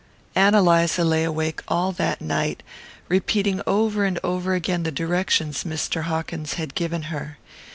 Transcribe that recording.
Ann Eliza lay awake all that night, repeating over and over again the directions Mr. Hawkins had given her.